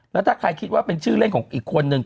แล้วถ้าใครคิดว่าเป็นชื่อเล่นของอีกคนนึง